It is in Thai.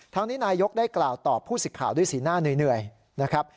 นี้นายกได้กล่าวตอบผู้สิทธิ์ข่าวด้วยสีหน้าเหนื่อยนะครับ